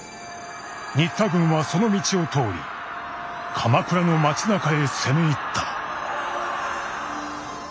新田軍はその道を通り鎌倉の町なかへ攻め入った」。